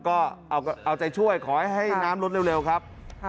ก็เอาใจช่วยขอให้น้ำลดเร็วครับ